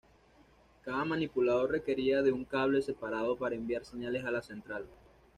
Cada manipulador requería de un cable separado para enviar señales a la central.